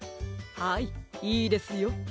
はいいいですよ。